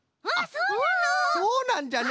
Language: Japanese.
そうなんじゃな！